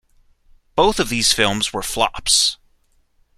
Both of these films were flops.